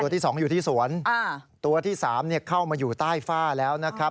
ที่๒อยู่ที่สวนตัวที่๓เข้ามาอยู่ใต้ฝ้าแล้วนะครับ